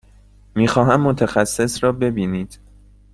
می خواهم متخصص را ببینید.